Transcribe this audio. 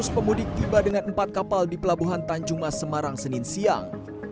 dua ratus pemudik tiba dengan empat kapal di pelabuhan tanjung mas semarang senin siang